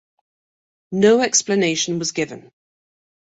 No explanation was given.